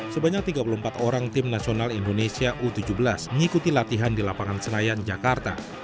sebanyak tiga puluh empat orang tim nasional indonesia u tujuh belas mengikuti latihan di lapangan senayan jakarta